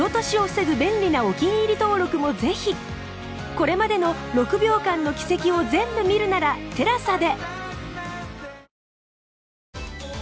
これまでの『６秒間の軌跡』を全部見るなら ＴＥＬＡＳＡ で